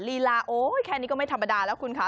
ลีลาโอ๊ยแค่นี้ก็ไม่ธรรมดาแล้วคุณค่ะ